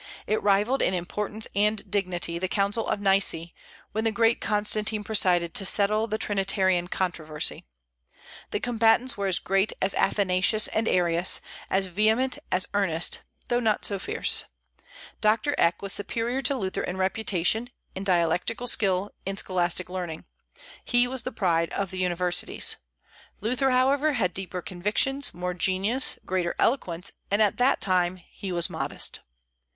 It rivalled in importance and dignity the Council of Nice, when the great Constantine presided, to settle the Trinitarian controversy. The combatants were as great as Athanasius and Arius, as vehement, as earnest, though not so fierce. Doctor Eck was superior to Luther in reputation, in dialectical skill, in scholastic learning. He was the pride of the universities. Luther, however, had deeper convictions, more genius, greater eloquence, and at that time he was modest.